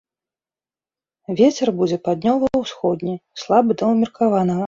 Вецер будзе паўднёва-ўсходні, слабы да ўмеркаванага.